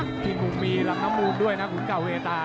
กริมปุ้งมีหลักน้ำมูนด้วยนะครูกวิเตา๔